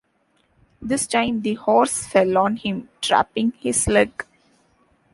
This time the horse fell on him, trapping his leg.